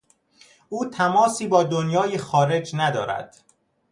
او تماسی با دنیای خارج ندارد.